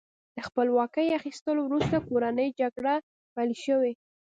د خپلواکۍ اخیستلو وروسته کورنۍ جګړې پیل شوې.